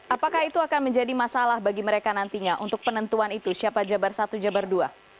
apakah itu akan menjadi masalah bagi mereka nantinya untuk penentuan itu siapa jabar satu jabar dua